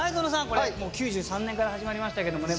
これ９３年から始まりましたけどもね。